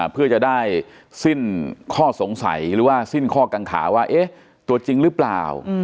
เพื่อจะได้สิ้นข้อสงสัยหรือว่าสิ้นข้อกังขาว่าตัวจริงหรือเปล่า